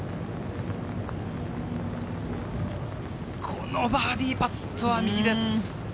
このバーディーパットは右です。